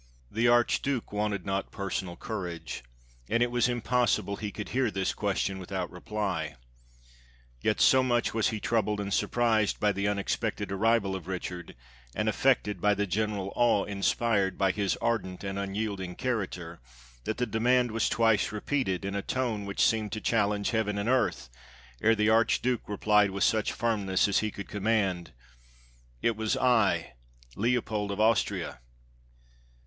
" The Archduke wanted not personal courage, and it was impossible he could hear this question without reply. Yet, so much was he troubled and surprised by the un expected arrival of Richard, and affected by the general awe inspired by his ardent and imyielding character, that the demand was twice repeated, in a tone which seemed to challenge heaven and earth, ere the Archduke replied wath such firmness as he could command, "It was I, Leopold of Austria."